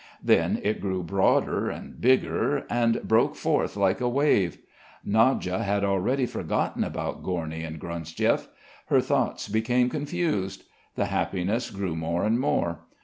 Then it grew broader and bigger, and broke forth like a wave. Nadya had already forgotten about Gorny and Gronsdiev. Her thoughts became confused. The happiness grew more and more.